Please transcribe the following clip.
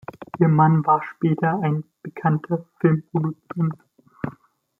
Ihr Mann war später ein bekannter Filmproduzent.